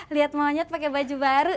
lihat monyet pakai baju baru